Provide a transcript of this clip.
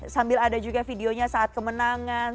sambil ada juga videonya saat kemenangan